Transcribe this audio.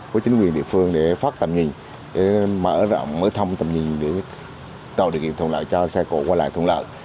với chính quyền địa phương để phát tầm nhìn để mở rộng mở thông tầm nhìn để tạo điều kiện thùng lợi cho xe cổ quay lại thùng lợi